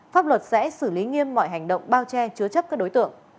pháp luật sẽ xử lý nghiêm mọi hành động bao che chứa chấp các đối tượng